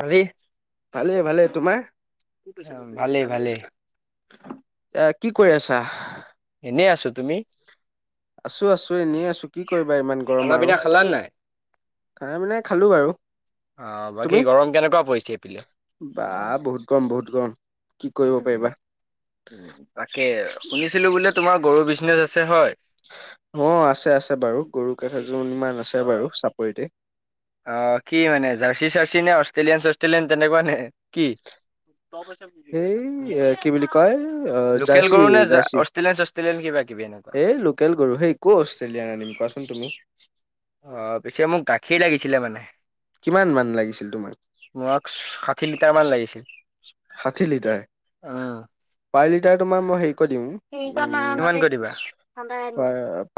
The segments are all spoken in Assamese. ভালেই ভালে ভালে। তোমাৰ? ভালে ভালে। এ কি কৰি আছা? এনেই আছো। তুমি? আছো আছো, এনেই আছো কি কৰিবা ইমান গৰম খানা আৰু,,। পিনা খালা নাই [unintelligible] মানে খালো আৰু। অ বাকী তুমি, গৰম কেনেকুৱা পৰিছে এইপিলে বা বহুত গম বহুত গৰম বহুত গৰম। কি কৰিব পাৰিবা? উ তাকে শুনিছিলো বোলে তোমাৰ গৰু বিজনেচ আছে হয়। অ আছে আছে বাৰু গৰু কাষজো ইমান আছে বাৰু চাপৰিতে,। অ কি মানে জাৰ্চি চাৰ্চি নে অষ্ট্ৰেলিয়ান চষ্ট্ৰেলিয়ান তেনেকুৱা নে কি? সেই এ কি বুলি কয় অ লোকেল জাৰ্চি গৰু নে জাৰ্চি অষ্ট্ৰেলিয়ান চষ্ট্ৰেলিয়ান কিবা? কিবি এনেকুৱা এই লোকেল গৰু হেই ক' অষ্ট্ৰেলিয়ান আনিম কোৱাচোন তুমি? অ পিছে মোক গাখী লাগিছিলে মানে! কিমান মান লাগিছিল তোমাক মাক ষাঠি লিটাৰ মান লাগিছিল। ষাঠি লিটাৰ। উম পাৰ লিটাৰ তোমাৰ মই হেৰি কৰি দিম উ কিমানকৈ দিবা প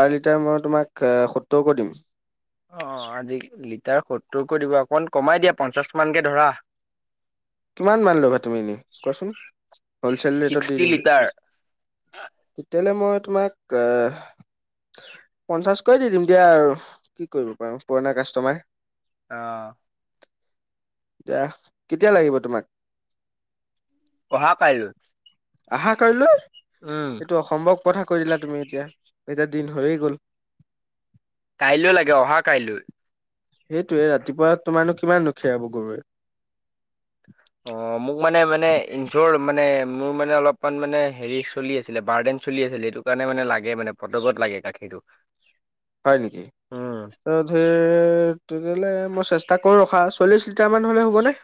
পাৰ লিটাৰ মই তোমাক সত্তৰকৈ দিম। অ আজি লিটাৰ সত্তৰকৈ দিব অকণমান কমাই দিয়া পঞ্চাশ মানকে ধৰা। কিমান মান ল'বা তুমি এনে কোৱাচোন, হলচেল ৰেটত দি ছিক্সটি দিম। লিটাৰ তেতিয়াহলে মই তোমাক এহ পঞ্চাশকৈ দি দিম দিয়া আৰু, কি কৰিব পাৰো পুৰণা কাষ্টমাৰ। অ', এতিয়া, কেতিয়া লাগিব তোমাক? অহা কাইলৈ। আহা কাইলৈ, উম এইটো অসম্ভৱ। কথা কৈ দিলা তুমি এতিয়া, এতিয়া দিন হৈয়ে গ'ল। কাইলৈ লাগে অহা কাইলৈ। সেইটোৱে ৰাতিপুৱা তোমাৰনো কিমাননো খিৰাব গৰুৱে। অ', মোক মানে মানে [unintelligible] মানে মোৰ মানে অলপমান মানে হেৰি চলি আছিলে বাৰ্ডেন চলি আছিলে। সিটো কাৰণে মানে লাগে মানে [unintelligible] লাগে গাখীৰটো। হয় নেকি উম ত ধেৰ তেতিয়াহ'লে মই চেষ্টা কৰোঁ ৰখা, চল্লিছ লিটাৰ মান হ'লে হ'বনে?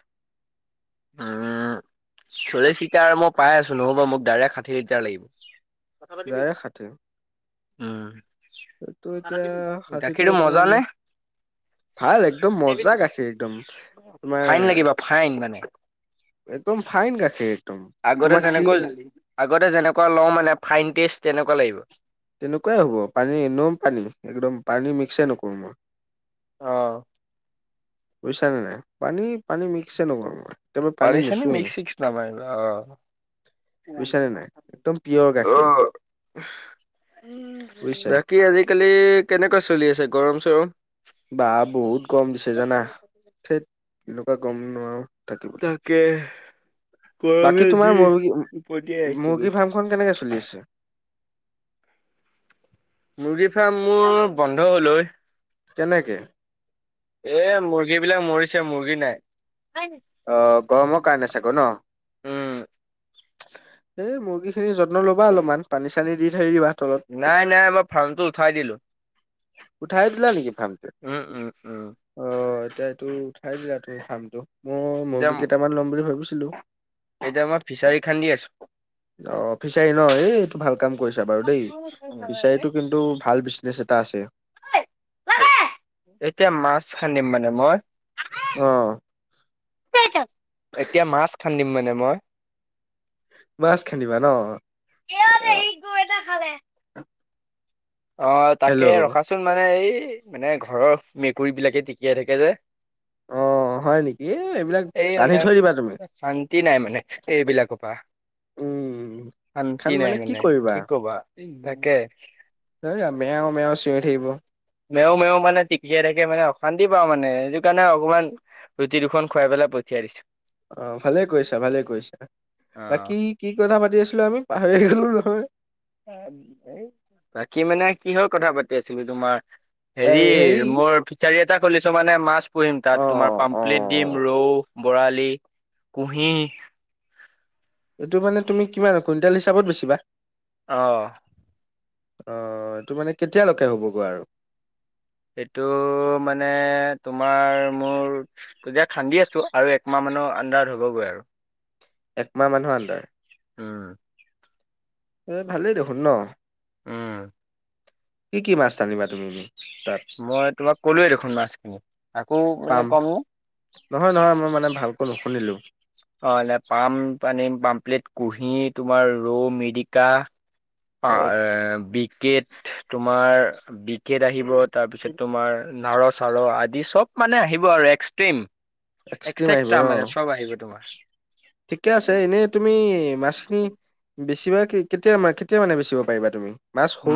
উম। চল্লিশ লিটাৰ মই পাই আছো নহ'ব মোক ডাইৰেক্ট ষাঠি লিটাৰ লাগি ডাইৰেক্ট ষাঠি? উম। সেইটো এতিয়া ষাঠিটোৰ গাখীৰটো মজা অকমান নে ভাল একদম মজা গাখীৰ একদম তোমাৰ। ফাইন লাগিব ফাইন মানে এইটো। আগতে যেনেকৈ আগতে যেনেকুৱা লওঁ মানে ফ্ৰাইদদেছ। তেনেকুৱা লাগিব। তেনেকুৱাই হ'ব পানী গৰম পানী একদম পানী মিক্সেই নকৰোঁ মই। অহ। বুইছা নে নাই? পানী, পানী মিক্স নকৰো মই। একেবাৰে পানী পৰিচানী নুচোৱেই মিক্স চিক্স নমাৰিব অ। বুজিছানে নাই একদম পিয়ৰ গাখীৰ [unintelligible] উম, বুজিছা বাকী আজিকালি কেনেকুৱা চলি আছে গৰম চৰম? বা বহুত গৰম দিছে জানা, ঠেত, এনেকোৱা গৰম নোৱাৰো। থাকিবলৈ তাকে। গৰমে বাকী তোমাৰ যি ওপৰতিয়াই আহিছে গৈ। মুৰ্গী-মুৰ্গী ফাৰ্মখন কেনেকে চলি আছে? মুৰ্গী ফাৰ্ম মোৰ বন্ধ হ'ল হয়। কেনেকে। এ মুৰ্গী বিলাক মৰিছে মুৰ্গী নাই। অ', গৰমৰ কাৰণে চাগে ন? উম। এই মুৰ্গী খিনি যত্ন ল'বা অলপমান পানী চানী দি থকিবা। নাই নাই মই ফাৰ্মটো উঠাই দিলো। উঠাই দিলা নেকি ফাৰ্মটো, উম উম উম অ', এতিয়া এইটো উঠাই দিলা তোৰ ফাৰ্মটো, মই এতিয়া মুৰ্গী কেইটামান ল'ম বুলি ভাবিছিলো। এতিয়া মই ফিচাৰী খান্দি আছো। অ ফিচাৰী ন এই এইটো ভাল কাম কৰিছা বাৰু দেই ফিচাৰীটো কিন্তু ভাল বিচনে। স তাহছে। এতিয়া মাছ খান্দিম মানে মই। অ। এতিয়া মাছ খান্দিম মানে মই। মাছ খান্দিবা ন? এয়া দে সি একোৱে নাখালে। অ', হেল্ল' তাকে ৰখাচোন মানে এই, মানে ঘৰৰ মেকুৰী বিলাকে টিকিয়াই থাকে যে। অ', অ', হয় নেকি, এইবিলাক এই বান্ধি মানে থৈ দিবা তুমি। শান্তি নাই মানে এইবিলাকৰ পৰা উম। শান্তি নাই মানে কি কবা তাকে। মেও মেয়াও চিঞৰি থাকিব। মেও মেও মানে টিকিয়াই থাকে মানে অশান্তি পাওঁ মানে সেইটো কাৰণে অকমান। ৰুটি দুখন খুৱাই পেলাই পঠিয়াই দিছো। অ ভালে কৈছা ভালে কৰিছা অ বাকি কি কথা পাতি আছিলো আমি। পাহি গলো নহয়। বাকী মানে কিহৰ কথা পাতি আছিলো তোমাৰ। হেৰি মোৰ ফিচাৰী এটা খুলিছো মানে মাছ। পুম তাত তোমাৰ অ', পামপ্লেট দিম অ', ৰৌ বৰালি কুহি। এইটো মানে তুমি কিমান কুইণ্টেল হিচাপত বেচিবা। অহ। আহ এই তটো মানে কেতিয়ালৈকে হ'বগৈ আৰু। এইটো মানে তোমাৰ মোৰ তেতিয়া খান্দি আছো আৰু একাহ। মাহ মান অন্দাৰত হ'বগৈ আৰু। একমাহ মানুহৰ আন্দৰ। উম। এ ভালেই দেখোন ন। উম। কি কি মাছ টানিবা তুমি। তাত? মই তোমাক কলোৱে দেখোন মাছখিনি। আকৌ মানে পাম ক'ম নে নহয় নহয় মই মানে ভালকৈ নুশুনিলো। অ এ পাম পানী পাম প্লেট কুহি তোমাৰ ৰৌ মিৰিকা। অ অএ বি। বিকেট তোমাৰ বিকট আহিব তাৰপিছত তোমাৰ নাৰ চাৰ আদি চব। মানে আহিব আৰু এক্সট্ৰিম এক্সট্ৰিম আহিব এক্সেকট্ৰা ন। মানে চব আহিব তোমাৰ। ঠিকে আছে এনেই তুমি মাছখিনি বেছিভাগ কি কেতিয়া মা কেতিয়া মানে বচিব পাৰিবা তুমি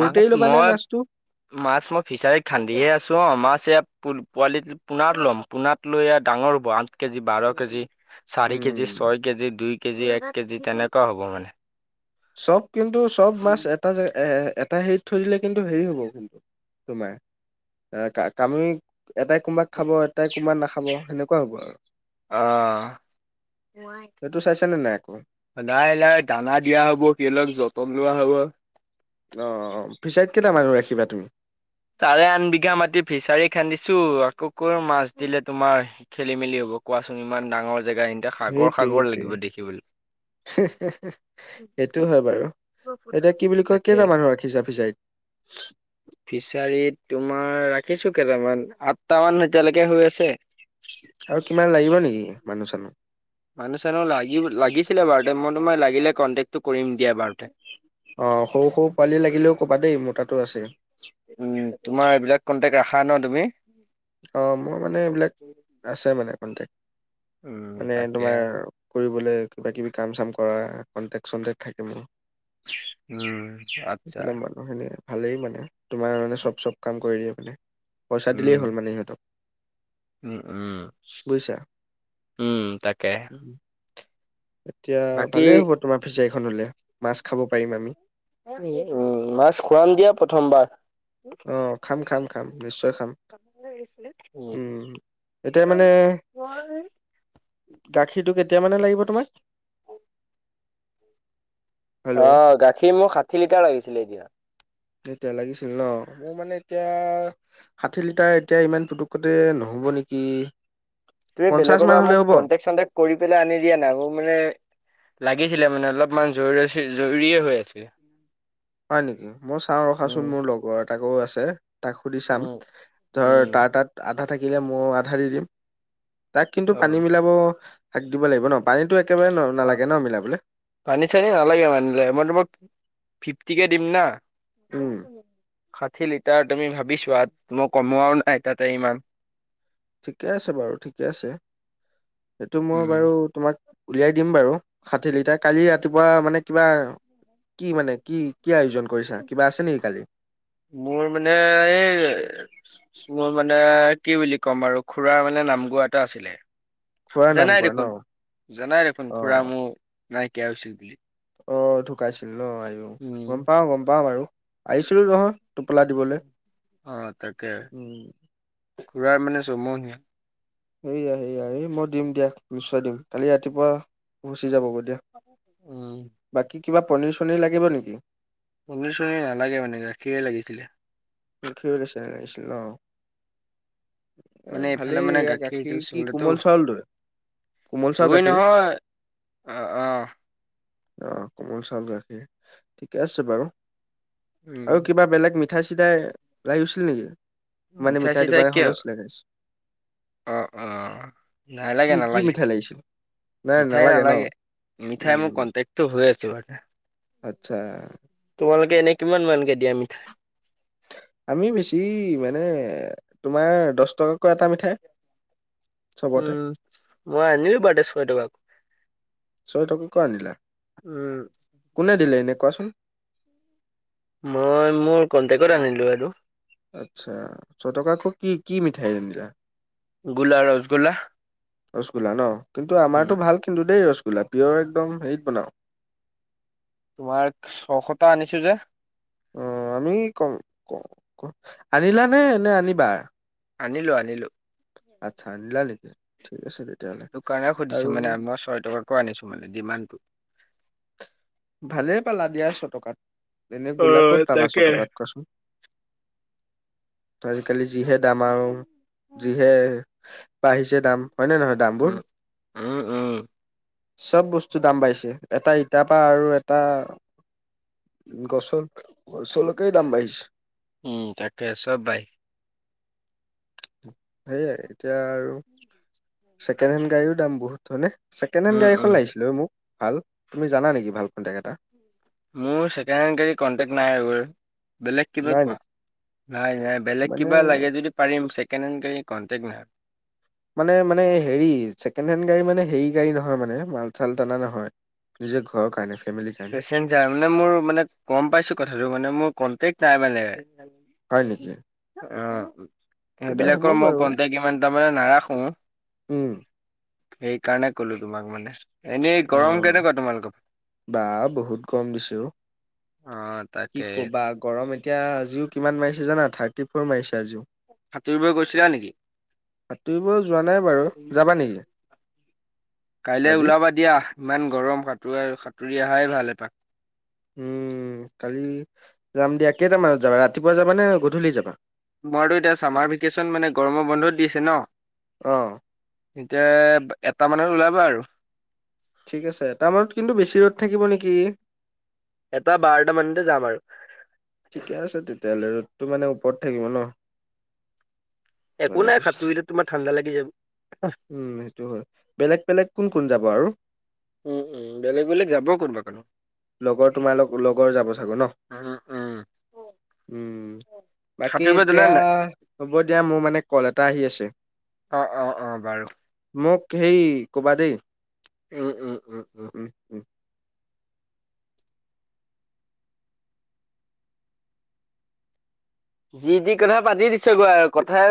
মাছ ল'বানে মই মাছটো? মাছ মই ফিচাৰীত খান্দিহে আছো অ মাছ ইয়াত প পোৱালি পোনাত ল'ম পোণাত লৈ ডাঙৰ হ'ব আঠ কেজি বাৰ কেজি চাৰি কেজি উম। ছয় কেজি দুই কেজি এক কেজি তেনেকুৱা হ'ব মানে চব কিন্তু চব মাছ এটা জ এ এটা হেৰিত থৈ দিলে কিন্তু হেৰি হ'ব কিন্তু তোমাৰ অহ কামি। এটাই কোনোবাক খাব এটাই কোনোবাত নাখাব সেনেকুৱা হ'ব আৰু। অহ। সেইটো চাইছানে নাই আকৌ? নাই নাই দানা দিয়া হ'ব ক লক যতন লোৱা হ'ব। অ অ ফিচাইত কেইটা মানুহ ৰাখিবা তুমি? চাৰে আঠ বিঘা মাটি ফিচাৰী খান্দিছো আকৌ ক মাছ দিলে তোমাৰ খেলি মেলি হ'ব। কোৱাচোন ইমান ডাঙৰ জেগা এতে সাগৰ সেইটোৱে সাগৰ সেইটোৱে লাগিব দেখিবলৈ সেইটো হয় বাৰু এতিয়া কি বুলি কয় তাকে। কেইটা মানুহ ৰাখিছা ফিচাইত? ফিচাৰীত তোমাৰ ৰাখিছো কেইটামান আঠট মান এতিয়ালৈকে হৈ আছে। আৰু কিমান লাগিব নেকি মানুহ চানুহ মানুহ চানো ল লাগিছিলে বাৰু মই তোম লাগিলে কনটেক্টো কৰিম দিয়া বাৰুতে অ সৰু সৰু পোৱালি লাগিলেও কবা দেই মোৰ তাতো আছে। উম তোমাৰ এইবিলাক কন্টেক্ট ৰাখা ন তুমি? অ মোৰ মানে এইবিলাক আছে মানে কনটেক উম মানে তাকে তোমাৰ কৰিবলে? কিবা কিবি কাম চাম কৰা কণ্টেক্ট চনটেকট থাকে মোৰ। উম আচ্ছা লাম মানুহ সেনে ভালেই মানে তোমাৰ মানে চব চব কাম কৰি দিয়ে মানে পইচা দিলেই হ'ল মানে ইহঁতক উ উম উম তাকে এতিয়া বাকী ভালেই হ'ব তোমাৰ ফিচাৰীখন হলে মাছ খাব পাৰিম আমি উ মাছ খুৱাম দিয়া প্ৰথমবাৰ। অ খাম খাম খাম নিশ্চয়। খাম। ছিল উম। এতিয়া ন মানে ম [unintelligible] গাখীৰটো কেতিয়া মানে লাগিব তোমাক? হেল্ল'। আহ গাখীৰ মোক ষাঠি লিটাৰ লাগিছিলে এতিয়া। এতিয়া লাগিছিল ন মোৰ মানে এতিয়া ষাঠি লিটাৰ এতিয়া ইমান পুটুকতে নহয়। নহ'ব নেকি? তুমি পঞ্চাশ বেলেগৰ মান পৰা হ'লে মোক হ'ব কটেক চটেক্ কৰি পেলাই আনি দিয়া নাই ম মানে লাগিছিলে মানে অলপমান জৰু জৰুৰীয়ে হৈ আছিল। হয় নেকি মই চাওঁ ৰখাচোন মোৰ লগৰ এটাকো আছে। তাক সুধি চাম উম, ধৰ উম, তাৰ তাত আধা থাকিলে ময়ো আধা দি দিম। তাক কিন্তু পানী অ', মিলাব শাক দিব লাগিব ন পানীতটো অ তনি চনি নালাগে মনিল ম ম ফিফটি কে দিম ন। উম ষাঠি লিটাৰ তুমি ভাবি চোৱা মই কমোৱাও নাই তাতে ইমান ঠিকে আছে বাৰু ঠিকে আছে সেইটো মই উম, বাৰু তোমাক। উলিয়াই দিম বাৰু ষাঠি লিটাৰ কালি ৰাতিপুৱা মানে কিবা কি মানে কি? কি আয়োজন কৰিছা কিবা আছে নেকি কালি? মোৰ মানে এই মোৰ মানে কি বুলি ক'ম আৰু খুড়া মানে নাম গোৱা এটা আছিলে। খোৱাৰ নাম জানাই কোৱা ন দেখোন জানাই দেখোন খুড়া অ মোৰ নাইকিয়া হৈছিল বুলি অ ঢুকাইছিল। ল' আহ উম, গম পাও গম পাও, বাৰু আহিছিলো নহয় টোপোলা দিবলৈ। অ তাকে উম, খুড়াৰ মানে চমহীয়া? সেয়া সেয়াই, এই মই দিম দিয়া, নিশ্চয় দিম। কালি ৰাতিপুৱা গুচি যাব গৈ। উম। কিবা পনিৰ চনিৰ লাগিব নেকি? পনীৰ চনী নালাগে মানে, গাখীৰ লাগিছিলে। কিছে লাগিছিল ন। এ মানে এইফালে ভালেই মানে গাখীৰ কি কোমল চাউল দৰে? দুই নহয় আহ আহ। অ কোমল চাউল গাখীৰ, ঠিকে আছে বাৰু উম। আৰু কিবা বেলেগ মিঠাই চি- ঠাই লাগিছিল নেকি? মানে মিঠাই চিঠাই দোকান কিয় এখনো চিনাকি আছে। অ অ নালাগে কি কি নালাগে। মিঠাই লাগিছিল নাই মিঠাই ন নালাগে। মিঠাই মোৰ উম, কনটেক্টটো হৈ আছে বাৰু। আচ্ছা। তোমালোকে এনেই কিমান মানকে দিয়া মিঠাই? আমি বেছি মানে তোমাৰ দশটকাকৈ এটা মিঠাই। চবতে উম মই আনিলো বাৰটা ছয়টকা। অ তই কৰ পৰা আনিলা কোনে দিলে এনে কোৱাচোন? মই মোৰ কন্টেক্ট আনিলো এইটো। আচ্ছা। ছয় টকাকো কি কি মিঠাই আনিলা? গোলা ৰসগোল্লা। ৰসগোল্লা ন। কিন্তু উম। আমাৰটো ভাল কিন্তু দেই ৰসগোল্লা। গলাপীও একদম হেৰিত বনাওঁ, তোমাৰ ছয়শটা আনিছো যে, অ আমি কম ক আনিলা নে নে আনিবা? আনিলো আনিলো। আচ্ছা আনিলা নেকি, ঠিক আছে দে। সেইকাৰণে সুধিছো মানে মই ছয় টকাকৈ আনিছো মানে ডিমাণ্ডটো। ভালে পালা দিয়া ছ টকাত। এনে অ গোল্লা ক'ত পাবা তাকে। ছটকাত কচোন? আজিকালি যিহে দাম আৰু যিহে বাঢ়িছে দাম। হয়নে নহয় দামবোৰ, উম উম উম চব বস্তু দাম বাঢ়িছে। এটা ইতাপ আৰু এটা গছৰ গছলৈকে দাম বাঢ়িছে। উম তাকে চব বা - সেইয়াই এতিয়া আৰু ছেকেণ্ড হেণ্ড গাড়ীও দাম বহুত হয় নে। ছেকেণ্ড হেণ্ড উম গাড়ীখন উম লাগিছিল মোক ভাল। তুমি জানা নেকি? ভাল কণ্টেক্ট এটা। মোৰ ছেকেণ্ড হেণ্ড গাড়ী কণ্টেক্ট নাই। বেলেগ কিবা নাই কোৱা, নেকি নাই নাই বেলেগ মানে কিবা লাগে যদি পাৰিম চেক- ছেকেণ্ড হেণ্ড গাড়ী কণ্টেক্ট নাই। মানে মানে হেৰি ছেকেণ্ড হেণ্ড গাড়ী মানে হেৰি গাড়ী নহয় মানে মাল চাল টানা নহয়। নিজে ঘৰ কাৰণে। ফেমিলিৰ কাৰণে পেচেন্টজাৰ। মানে মোৰ মানে গম পাইছো কথাটো মানে মোৰ কন্টেক্ট নাই মানে। হয় নেকি? অ তেতিয়া হ'ব সেইবিলাকৰ মই বাৰু কন্টেক্ট ইমান তাৰমানে নাৰাখো। উম সেইকাৰণে কলো তোমাক মানে। এনেই অ গৰম কেনেকুৱা তোমালোকৰ? বা বহুত গৰম দিছ অ। অ', কি তাকে কবা গৰম এতিয়া আজিও কিমান। মাৰিছে জানা থাৰ্টি ফৰ মাৰিছে। আজিও সাঁতুৰিব গৈছিলা নেকি? সাতুৰিব-। কাইলৈ আজি ওলাবা দিয়া-। ইমান গৰম সাঁতৰা সাঁতুৰি অহাই ভাল এপাক-। উম কালি যাম দিয়া কেইটামানত যাবা ৰাতিপুৱা যাবা নে গধূলি যাবা? মইতো এতিয়া ছামাৰ ভেকেশ্যন মানে গৰমৰ বন্ধত দিছে অ ন-। এতিয়া এটা মানত ওলাবা আৰু-। ঠিক আছে এটা মানত কিন্তু বেছি ৰ'দ থাকিব নেকি! এটা বাৰটা মানতে যাম আৰু ঠিকে আছে তেতিয়াহ'লে ৰ'দ - তটো মানে ওপৰত থাকিব ন- একো মানে নাই কৈছো, সাতুৰিতে তোমাৰ ঠাণ্ডা লাগি যাব। - উম সেইটো হয় বেলেগ বেলেগ কোন কোন যাব আৰু-। উম উম বেলেগ বেলেগ যাব কোনোবা কোনোবা -। লগৰ তোমাল লগৰ যাব চাগো ন-। উম, উম, উম বাকী সাঁতুৰিব জানা এতিয়া নাই? হ'ব দিয়া মোৰ মানে কল এটা আহি আছো-। অ অ অ বাৰু-। মোক সেই কবা দেই-। উম, উম, উম, উম। যি যি কথা পাতি দিছো গৌ আৰু কথা-।